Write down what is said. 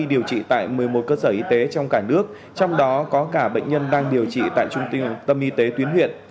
điều trị tại một mươi một cơ sở y tế trong cả nước trong đó có cả bệnh nhân đang điều trị tại trung tâm y tế tuyến huyện